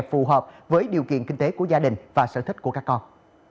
phù hợp với điều kiện kinh tế của gia đình và sở thích của các con